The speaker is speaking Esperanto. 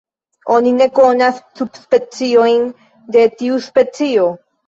Oni ne konas subspeciojn de tiu specio.